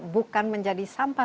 bukan menjadi sampah